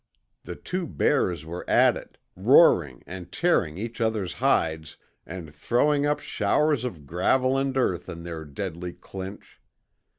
The two bears were at it, roaring and tearing each other's hides and throwing up showers of gravel and earth in their deadly clinch.